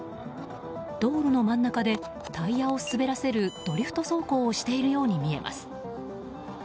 道路の真ん中でタイヤを滑らせるドリフト走行をしているように見えます。